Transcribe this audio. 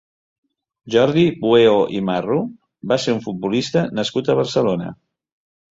Jordi Pueo i Marro va ser un futbolista nascut a Barcelona.